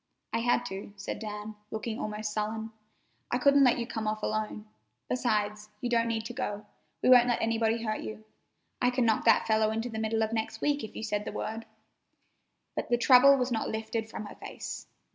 "I had to," said Dan, looking almost sullen. "I couldn't let you come off alone. Besides, you don't need to go. We won't let anybody hurt you. I can knock that fellow into the middle of next week if you say the word." But the trouble was not lifted from her face.